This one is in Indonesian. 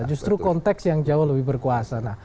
justru konteks yang jauh lebih berkuasa